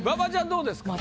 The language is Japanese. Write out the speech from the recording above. どうですか？